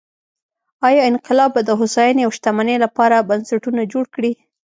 ایا انقلاب به د هوساینې او شتمنۍ لپاره بنسټونه جوړ کړي؟